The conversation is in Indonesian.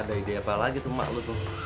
ada ide apa lagi tuh mak lu tuh